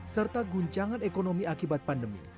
serta guncangan ekonomi akibat pandemi